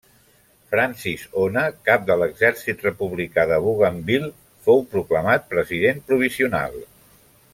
Francis Ona, cap de l'Exèrcit Republicà de Bougainville fou proclamat president provisional.